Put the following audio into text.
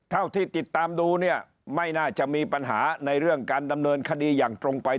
เรินคดีอย่างตรงไปตรงมาเหมือนกันไม่มีใครกล้าอาทิตย์ดี